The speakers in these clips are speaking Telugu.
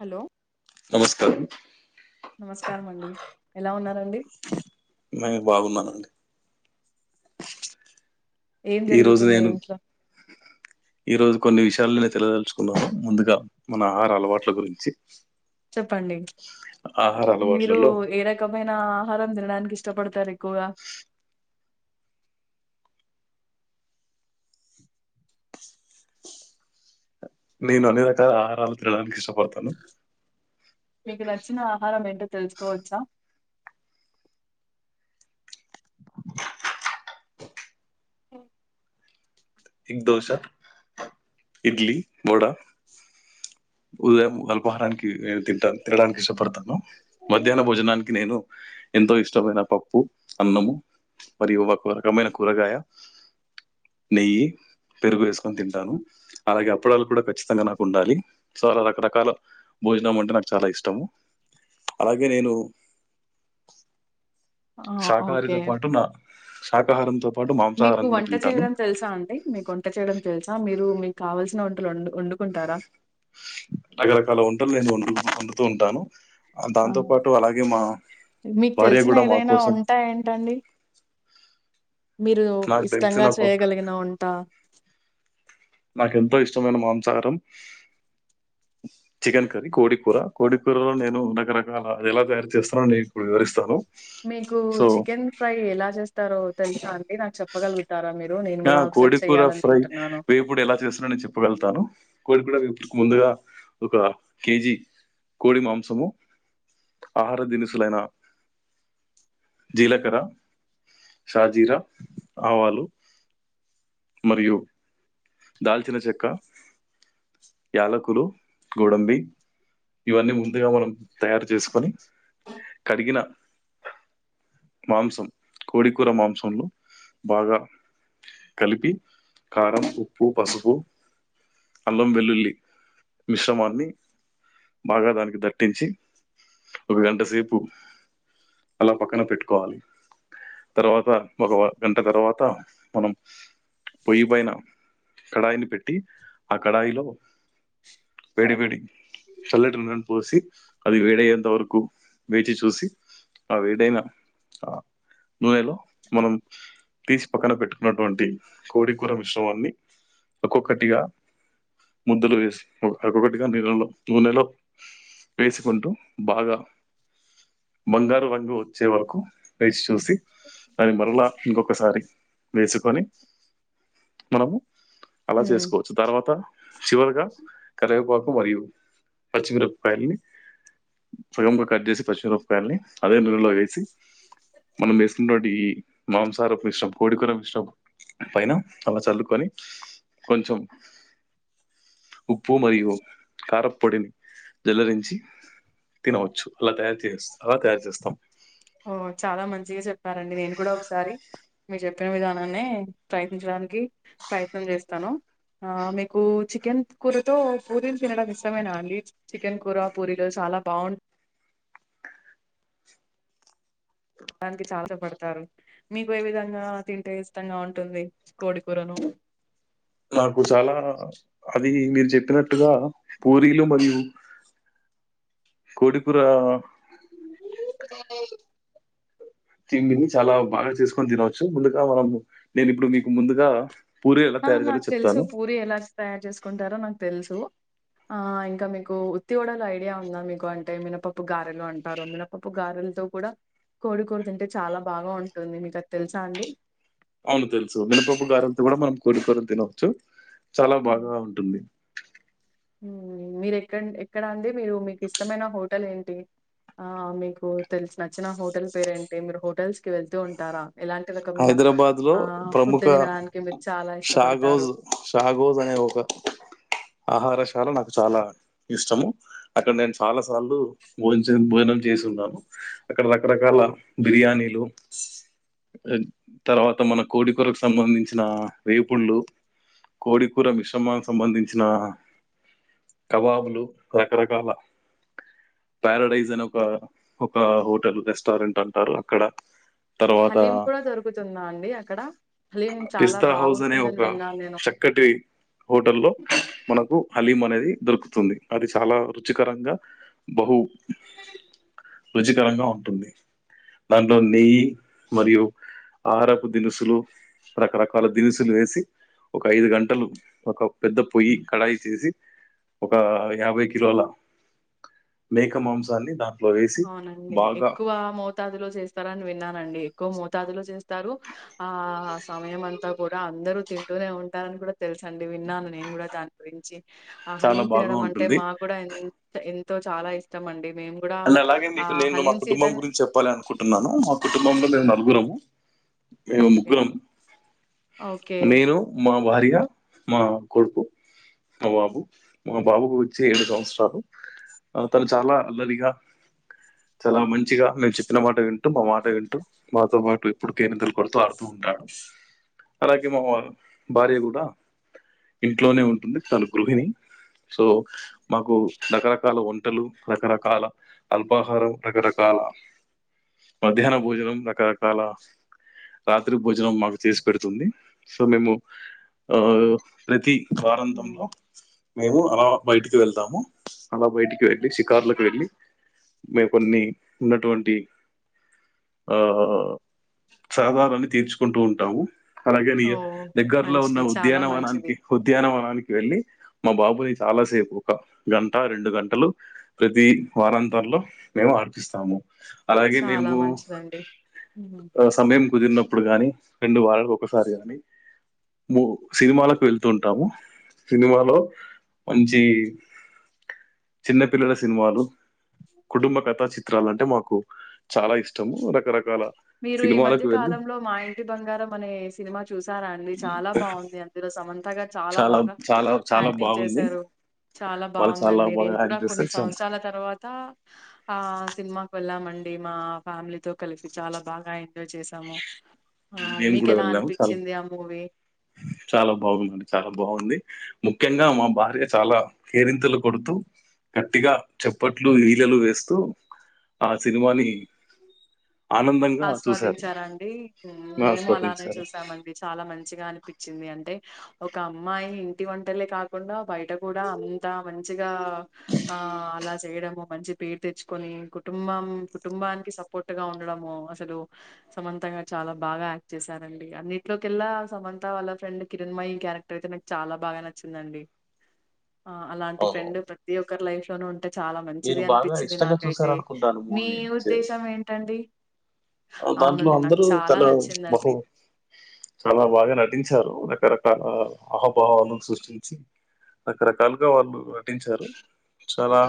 హలో నమస్కారం నమస్కారం అండి ఎలా ఉన్నారండి నేను బాగున్నానండి ఏం ఈ రోజు జరుగుతుంది నేను ఇంట్లో ఈ రోజు కొన్ని విషయాలనే తెలియదలుచుకున్నామ ముందుగా మన ఆహార అలవాట్ల గురించి చెప్పండి ఆహార మీరు అలవాట్లలో ఏ ర ఏ రకమైన ఆహారం తినడానికి ఇష్టపడుతారు ఎక్కువగా నేను అన్ని రకాల ఆహారాలు తినడానికి ఇష్టపడుతాను మీకు నచ్చిన ఆహారం ఏంటో తెలుసుకోవచ్చా [inaudible] ఆ ఎగ్ దోశ ఇడ్లీ వడ ఉదయం అల్పహారానికి ఎం తింటారూ తినడానికి ఇష్టపడ తను మధ్యాహ్న భోజనానికి నేను ఎంతో ఇష్టమైన పప్పు అన్నము మరియు ఒక రకమైన కూరగాయ నెయ్యి పెరుగు ఏసుకొని తింటాను అలాగే అప్పడాలు కూడా ఖచ్చితంగా నాకు ఉండాలి చాలా రకరకాల భోజనం అంటే నాకు చాలా ఇష్టము అలాగే నేను ఆ ఓకే శాకాహారితో పాటు నా శాకాహారంతో పాటు మీకు మాంసాహారం కూడా వంట తింటాను చేయడం తెలుసా అండి మీకు వంట చేయడం తెలుసా మీరు మీకు కావాల్సిన వంటలు వం వండుకుంటారా రకరకాల వంటలు నేను వం వండుతూ ఉంటాను దాంతో ఆహా! పాటు అలాగే మా భార్య గూడా మా కోసం ఇంకా ఏంటండి మీరు నాకు ఇష్టంగా తెలిసిన చేయగలిగిన వంట నాకు ఎంతో ఇష్టమైన మాంసాహారం చికెన్ కర్రీ కోడికూర కోడికూర లో నేను రకరకాల ఎలా తయారు చేస్తానో నేను ఇప్పుడు వివరిస్తాను మీకు సో చికెన్ ఫ్రై ఎలా చేస్తారో తెలుసా అండి నాకు చెప్ప చెప్పగలుగుతారా మీరు నేను కూడా ఒకసారి చెయ్యాలనుకుంటున్నాను ఇప్పుడు ఎలా చేస్తున్నానో నేను చెప్పగలుగుతాను కోడి కూడా ఇప్పుడు ముందుగా ఒక కేజీ కోడి మాంసము ఆహార దినుసులైన జీలకర్ర, షాజీరా, ఆవాలు మరియు దాల్చిన చెక్క యాలకులు, గోడంబి ఇవన్నీ ముందుగా మనం తయారు చేసుకొని కడిగిన మాంసం కోడికూర మాంసంలో బాగా కలిపి కారం, ఉప్పు, పసుపు, అల్లం, వెల్లుల్లి మిశ్రమాన్ని బాగా దానికి దట్టించి ఒక గంట సేపు అలా పక్కన పెట్టు కోవాలి తర్వాత ఒక గంట తర్వాత మనం పొయ్యిపైన కడాయిని పెట్టి ఆ కడాయిలో వేడి వేడి చల్లటి నూనె పోసి అది వేడి అయ్యేంత వరకు వేచి చూసి ఆ వేడైనా ఆ నూనెలో మనం తీసి పక్కన పెట్టుకున్నటువంటి కోడికూర మిశ్రమాన్ని ఒక్కొక్కటిగా ముద్దలు చేసి ఓక్కొక్కటిగా నిలలో నూనెలో వేసుకుంటూ బాగా బంగారు రంగు వచ్చే వరకు వేచి చూసి దాని మళ్ళా ఇంకొకసారి వేసుకొని మనము అలా హ్మ్ చేసుకో చ్చు తర్వాత చివరిగా కరివేపాకు మరియు పచ్చిమిరపకాయలని పెమ్ గా కట్ చేసి పచ్చిమిరపకాయల్ని అదే నూనేలో వేసి స మనం వేస్తున్నటి మాంసాహపుం మిష్రం కోడికర మిశ్రమం పైన అలా చల్లుకొని కొంచెం ఉప్పు మరియు కార పొడిని జల్లరించి తినవచ్చు అలా తయారు చేస్ అలా తయారు చేస్తాం. ఓ చాలా మంచిగ చెప్పారండి నేను కూడా ఒకసారి మీర్ చెప్పిన విధానాన్నే ప్రయత్నించడానికి ప్రయత్నం చేస్తాను. ఆ మీకు చికెన్ కూరతో పూరీలు తినడం ఇష్టమేనా అండీ? చికెన్ కూర, పూరిలు చాలా బాగుం డానికి చాలసేపు పడతారు, మీకు ఏ విధంగా తింటే ఇష్టంగా ఉంటుంది కోడి కూరను? నాకు చాలా అది మీరు చెప్పినట్టుగా పూరీలు మరియు కోడి కూరా తిమిని చాలా బాగా చేసుకొని తినవచ్చు, ముందుగా మనము నేను ఇప్పుడు మీకు ముందుగా పూరి ఎలా ఆ తయారు చేయాలో నాకు తెలుసు చెప్తాను పూరి ఎలా తయారు చేసుకుంటారో నాకు తెలుసు. ఆ ఇంకా మీకు ఉత్తివడలు ఐడియా ఉందా మీకు, అంటే మినపప్పు గారెలు అంటారు మిన పప్పు గారెలతో కూడ కోడి కూర తింటే చాలా బాగా ఉంటుంది మీకు అది తెలుసా అండి? అవును తెలుసు మినపప్పు గారెలతో గుడ మనం కోడికూర తినవచ్చు, చాలా బాగా ఉంటుంది. ఉమ్ మీరు ఎక్క ఎక్కడ అండి మీరు మీకు ఇష్టమైన హోటల్ ఏంటి? ఆ మీకు తెలిసి నచ్చిన హోటల్ పేరేంటి? మీరు హోటల్స్ కి వెళ్తూ ఉంటారా? ఇలాంటి రకమైన హైదరాబాద్ లో ఆ ఫుడ్ ప్రముఖ తినడానికి మీరు చాలా ఇష్టపడతారు? షాగోజ్ షాగోజ్ అనే ఒక ఆహారశాల నాకు చాలా ఇష్టము, అక్కడ నేను చాలా సార్లు భోజించ భోజనం చేసి ఉన్నాను. అక్కడ రకరకాల బిర్యానీలు [unintelligible] ఆ తర్వాత మన కోడికూరకు సంబంధించిన వేపుళ్ళు కోడికూర మిశ్రమానికి సంబంధించిన కబాబులు రకరకాల ప్యారాడైజ్ అని ఒక ఒక హోటల్ రెస్టారెంట్ అంటారు అక్కడ తర్వాత హలీం కూడా దొరుకుతుందా అండి అక్కడ? హలీం చాలా బాగుంటుందని విన్నాను నేను. ఇక్కటి హోటల్ లో మనకు హలీం అనేది దొరుకుతుంది, అది చాలా రుచికరంగా బహు రుచికరంగా ఉంటుంది, దాంట్లో నెయ్యి మరియు ఆహారపుదినుసులు రకరకాల దినుసులు వేసి ఒక ఐదు గంటలు ఒక పెద్ద పొయ్యి కడాయి సేసి ఒక యాభై కిలోల మేక మాంసాన్ని దాంట్లో వేసి అవునండి బాగా ఎక్కువ మోతాదులో చేస్తారని విన్నానండి, ఎక్కువ మోతాదులో చేస్తారు. ఆ ఆ సమయం అంతా కూడా అందరు తింటూనే ఉంటారని కూడా తెలుసండి విన్నాను నేను కూడా దాని గురించి, ఆ చాలా హలీమ్ బాగా తినడం అంటే ఉంటుంది మా కూడా ఎం ఎంతో చాలా ఇష్టం అండి మేము గుడ అలా అలాగే అండి ఇప్పుడు నేను మా కుటుంబం గురించి చెప్పాలి అనుకుంటున్నాను, మా కుటుంబంలో నేను నలుగురము మేము ముగ్గురం, ఓకే నేను మా భార్య, మా కొడుకు మా బాబు, మా బాబుకు వచ్చి ఏడు సంవత్సరాలు తను చాలా అల్లరిగా చాలా మంచిగా మేము చెప్పిన మాట విం టు మాట వింటూ మాతో పాటు ఇప్పుడు కేరింతలు కొడుతూ ఆడుతూ ఉంటాడు. అలాగే మా భార్య గూడ ఇంట్లోనే ఉంటుంది తను గృహిణి. సో మాకు రకరకాల వంటలు, రకరకాల అల్పాహారం రకరకాల మధ్యాహ్న భోజనం రకరకాల రాత్రి భోజనం మాకు చేసి పెడుతుంది సో మేము ఆ ప్రతి వారంతంలో మేము అలా బయటికి వెళ్తాము అలా బయటికి వెళ్ళి షికారులకు వెళ్ళి మేము కొన్ని ఉన్నటువంటి ఆ సాధారాన్ని తీర్చుకుంటూ ఉంటాము అలాగే నీ ఓ దగ్గర్లో ఉన్న మంచిది చాలా మంచిది ఉద్యానవనానికి ఉద్యానవనానికి వెళ్ళి మా బాబుని చాలాసేపు ఒక గంట రెండు గంటలు ప్రతి వారాంతంలో మేము ఆడిపిస్తాము అలాగే చాలా మేము మంచిదండి హ్మ్. ఆ సమయం కుదిరినప్పుడు గాని రెండు వళలకు ఒకసారి గాని ము సినిమాలకు వెళ్తుంటాము సినిమాలో మంచి చిన్నపిల్లల సినిమాలు కుటుంబ కథ చిత్రాలు అంటే మాకు చాలా ఇష్టము రకరక మీరు ఈ మధ్య కాలంలో మా ఇంటి బంగారం అనే సినిమా చూసారా అండి చాలా బాగుంది అందులో సమంతగారు చాలా బాగా చాలా చాలా యాక్టింగ్ బాగుంది చేశారు చాలా వాళ్ళు చాలా బాగుందండి బాగా నేను కూడా యాక్ట్ కొన్ని చేస్తారు చాలా సంవత్సరాల తర్వాత ఆ సినిమాకు వెళ్ళామండి మా ఫ్యామిలీతోకలిసి చాలా బాగా ఎంజాయ్ చేసాము ఆ నేను మీకు కూడా ఎలా వెళ్ళాము చాలా అనిపించింది ఆ మూవీ చాలా బాగుంది చాలా బాగుంది ముఖ్యంగా మా భార్య చాలా కేరింతలు కొడుతూ గట్టిగా చెప్పట్లు ఈలెలు వేస్తూ ఆ సినిమాని ఆనందంగా చూశారు ఆస్వాదించారండి మేము అలానే ఆస్వాదించారు చూసామండి చాలా మంచిగా అనిపించింది అంటే ఒక అమ్మాయి ఇంటి వంటలే కాకుండా బయట గూడా అంత మంచిగా ఆ అలా చేయడము మంచి పేరు తెచ్చుకొని కుటుంబం కుటుంబానికి సపోర్ట్ గా ఉండడము అసలు సమంతంగా చాలా బాగా యాక్ట్ చేశారండి అన్నిట్లోకెళ్లా సమంత వాళ్ళ ఫ్రెండ్ కిరణ్మయి క్యారె క్టర్ అయితే నాకు చాలా బాగా నచ్చిందండి [inaudible] ఆ అలాంటి అవును ఫ్రెండ్ ప్రతి ఒక్కరి లైఫ్ లోనూ ఉంటే చాలా మీరు మంచిది బాగా అనిపించింది ఇష్టంగా చూసారు నాకైతే అనుకుంటాను మీ మూవీ ఉద్దేశం ఏంటండి దాంట్లో అవునండి. నాకు అందరూ చాలా బహు నచ్చిందండి. చాలా బాగా నటించారు రకరకాల ఆహాభావాలు సృష్టించి రకరకాలుగా వాళ్ళు నటించారు చాలా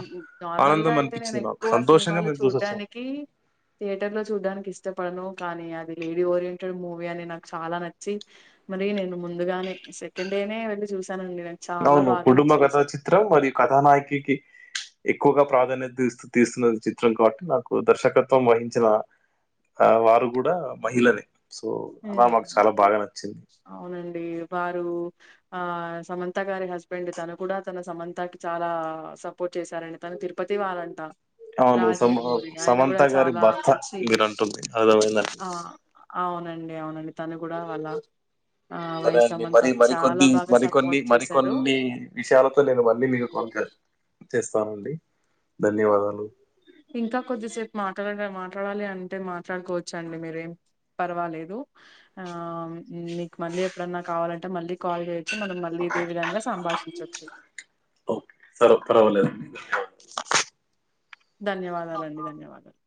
నార్మల్గా ఆనందం అయితే నేను అనిపించింది నాకు ఎక్కువ సంతోషంగా సినిమాలు మేము చూసొచ్చాం చూడ్డానికి థియేటర్ లో చూడడానికి ఇష్టపడను కానీ అది లేడీ ఓరియంటెడ్ మూవీ అని నాకు చాలా నచ్చి మరి నేను ముందుగానే సెకండ్ డేనే వెళ్ళి చూశానండి నాకు చాలా అవును బాగా కుటుంబ నచ్చింది కథా అసలు చిత్రం మరియు కథానాయకికి ఎక్కువగా ప్రాధాన్యత తీస్తున్న చిత్రం కాబట్టి నాకు దర్శకత్వం వహించిన ఆ వారు కూడా మహిళనే సో అలా హ్మ్. మాకు చాలా బాగా నచ్చింది అవునండి వారు ఆ సమంత గారి హస్బెండ్ తను కూడాడా తన సమంతాకి చాలా స సపోర్ట్ చేశారడి తను తిరుపతి వాళ్ంట అవును సమ సమంత గారి భర్త మంచి మీరు అంటుంది అర్థమైందా ఆ అవునండి అవునండి తను కూడా అలా సరే అండి మరి మరికొద్ది మరికొన్ని సపోర్ట్ చేశారు మరికొన్ని విషయాలతో నేను మళ్ళీ మీకు కొల్ చేస్తానండి ధన్యవాదాలు ఇంకా కొద్దిసేపు మాట్లాడ మాట్లాడాలి అంటే మాట్లాడుకోవచ్చ అండి మీరేం పర్వాలేదు ఆ మీకు మళ్ళీ ఎప్పుడన్న కావాలంటే మళ్ళీ కాల్ చే చి మనం మళ్ళీ ఇదే విధంగా సంభాషించవచ్చు ఓ సరే పర్వాలేదండి ధన్యవాదాలండి ధన్యవాదాలు